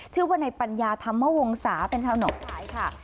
ชื่อว่าในปัญญาธรรมวงศาเป็นชาวหนองขายค่ะ